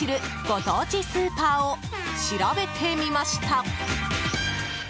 ご当地スーパーをしらべてみました。